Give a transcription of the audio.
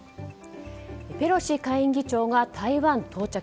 ペロシ下院議長が台湾到着。